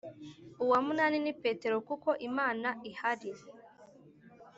uwa munani ni Petero kuko Imana ihari